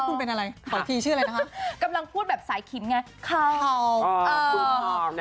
คุณเป็นอะไรขออีกทีชื่ออะไรนะคะกำลังพูดแบบสายขิมไง